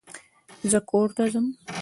زه کور ته ځم